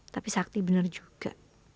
tapi sakti benar juga